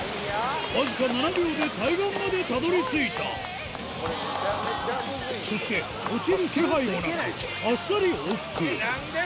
わずか７秒で対岸までたどり着いたそして落ちる気配もなくあっさり往復なんで？